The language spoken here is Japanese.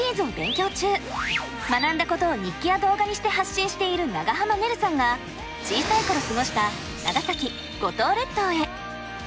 学んだことを日記や動画にして発信している長濱ねるさんが小さい頃過ごした長崎・五島列島へ。